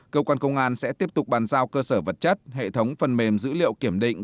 cơ quan công an sẽ tiếp tục bàn giao cơ sở vật chất hệ thống phần mềm dữ liệu kiểm định